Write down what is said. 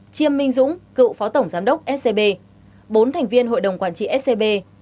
chiêm minh dũng cựu phó tổng giám đốc scb bốn thành viên hội đồng quản trị scb